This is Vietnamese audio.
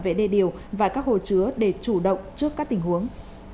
về đê điều và các hồ chứa để chủ động trước các tình huống